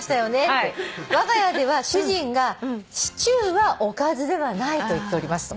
「わが家では主人がシチューはおかずではないと言っております」